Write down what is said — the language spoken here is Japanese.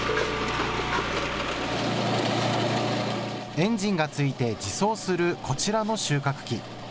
エンジンがついて自走するこちらの収穫機。